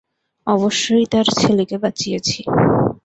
অবশ্যইঃ তার ছেলেকে বাঁচিয়েছি।